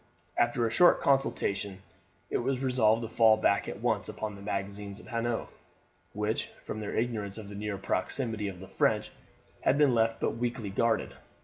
After a short consultation it was resolved to fall back at once upon the magazines at Hanau, which, from their ignorance of the near proximity of the French, had been left but weakly guarded.